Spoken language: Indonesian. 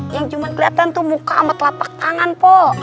yang cuma kelihatan tuh muka sama telapak tangan po